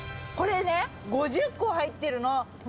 これね５０個入ってるの。